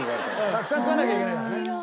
たくさん食わなきゃいけないからね。